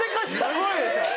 すごいでしょ。